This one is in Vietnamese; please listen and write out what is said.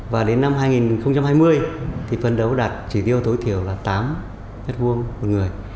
và đến năm hai nghìn hai mươi thì phấn đấu đạt cái chỉ tiêu nhà ở tối thiểu là tám m hai một người